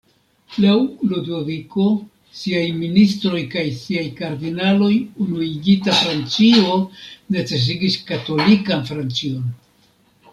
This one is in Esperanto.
Laŭ Ludoviko, siaj ministroj kaj siaj kardinaloj, unuigita Francio necesigis katolikan Francion.